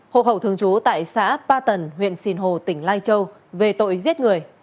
hồ khẩu thường chú tại xã ba tần huyện sìn hồ tỉnh lai châu về tội giết người